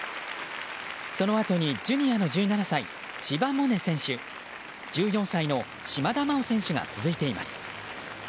そのあとに、ジュニアの１７歳千葉百音選手１４歳の島田麻央選手が続いています。